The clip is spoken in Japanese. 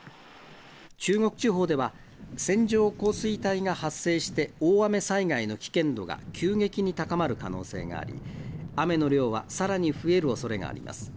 中国地方では線状降水帯が発生して大雨災害の危険度が急激に高まる可能性があり雨の量はさらに増えるおそれがあります。